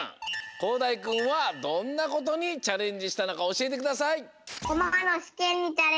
こうだいくんはどんなことにチャレンジしたのかおしえてください。